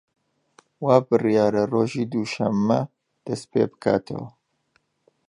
وا بریارە ڕۆژی دووشەممە دەست پێ بکاتەوە